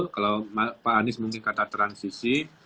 kalau pak anies mungkin kata transisi